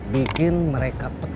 bikin mereka pecah